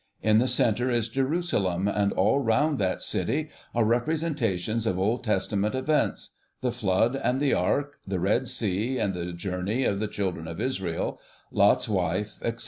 In the centre is Jerusalem, and all round that city are representations of Old Testament events: the Flood, and the Ark; the Red Sea, and the journey of the Children of Israel; Lot's wife, etc.